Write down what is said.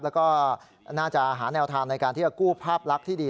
แล้วก็น่าจะหาแนวทางในการที่จะกู้ภาพลักษณ์ที่ดี